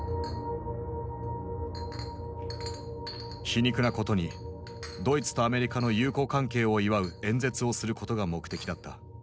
皮肉なことにドイツとアメリカの友好関係を祝う演説をすることが目的だった。